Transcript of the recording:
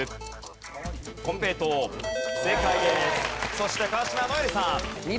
そして川島如恵留さん。